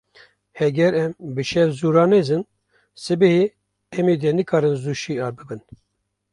Heger em bi şev zû ranezin, sibehê em dê nikarin zû şiyar bibin.